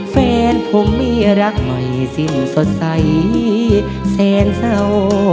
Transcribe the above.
แฟนผมมีรักใหม่สิ้นสดใสแสนเศร้า